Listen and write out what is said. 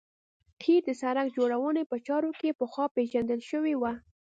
قیر د سرک جوړونې په چارو کې پخوا پیژندل شوی و